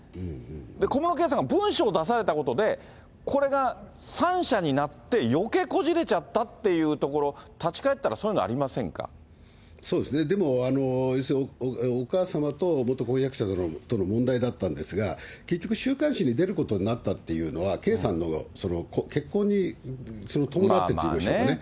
小室圭さんが文書を出されたことで、これが３者になって、よけいこじれちゃったっていうところ、立ち返ったら、そういうのそうですね、でも、お母様と元婚約者との問題だったんですが、結局、週刊誌に出ることになったというのは、圭さんの結婚に伴ってといいましょうかね。